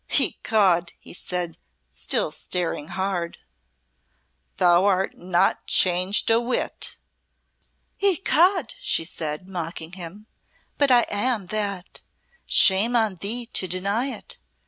"Ecod!" he said, still staring hard, "thou art not changed a whit." "Ecod!" she said, mocking him, "but I am that. Shame on thee to deny it.